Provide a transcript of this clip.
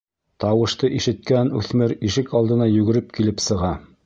Тауышты ишеткән үҫмер ишек алдына йүгереп килеп сыға.